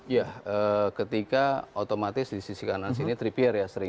iya ketika otomatis di sisi kanan sini tripier ya sering